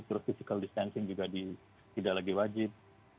terus physical distancing juga tidak lagi wajib